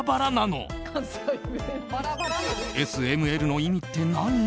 Ｓ、Ｍ、Ｌの意味って何？